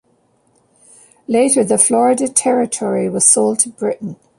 Later, the Florida territory was sold to Britain.